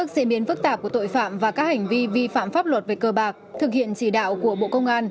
đến phức tạp của tội phạm và các hành vi vi phạm pháp luật về cờ bạc thực hiện chỉ đạo của bộ công an